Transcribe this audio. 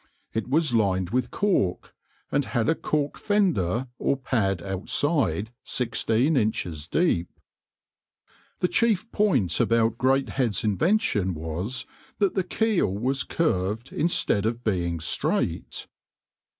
It was lined with cork, and had a cork fender or pad outside, 16 inches deep. The chief point about Greathead's invention was that the keel was curved instead of being straight.